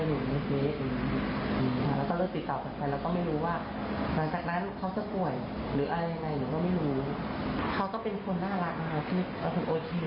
หรืออะไรยังไงหรือง็ไม่รู้เขาก็เป็นคนน่ารักมากที่โอเค